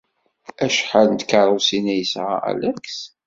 Acḥal n tkeṛṛusin ay yesɛa Alex?